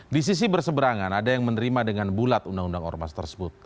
di sisi berseberangan ada yang menerima dengan bulat undang undang ormas tersebut